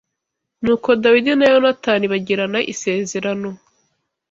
Nuko Dawidi na Yonatani bagirana isezerano